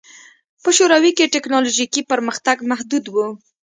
په شوروي کې ټکنالوژیکي پرمختګ محدود و